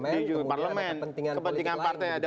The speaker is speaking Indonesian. duduk di parlemen kemudian ada kepentingan politik lain gitu ya